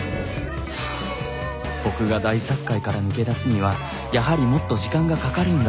僕が大殺界から抜け出すにはやはりもっと時間がかかるのだろうか。